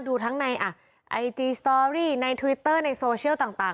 ดูทั้งในไอจีสตอรี่ในทวิตเตอร์ในโซเชียลต่าง